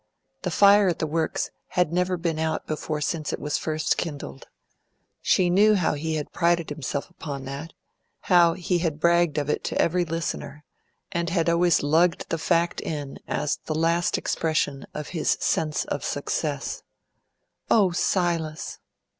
The fire at the Works had never been out before since it was first kindled. She knew how he had prided himself upon that; how he had bragged of it to every listener, and had always lugged the fact in as the last expression of his sense of success. "O Silas!"